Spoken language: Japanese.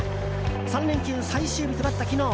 ３連休最終日となった昨日。